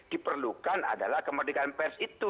diperlukan adalah kemerdekaan pers itu